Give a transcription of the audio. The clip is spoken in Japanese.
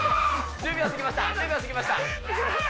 １０秒過ぎました。